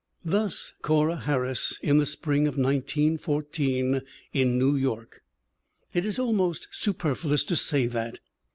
Thus Corra Harris in the spring of 1914 in New York. It is almost superfluous to say that.